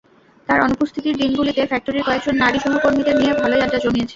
তার অনুপস্থিতির দিনগুলিতে ফ্যাক্টরির কয়েকজন নারী সহকর্মীদের নিয়ে ভালোই আড্ডা জমিয়েছে।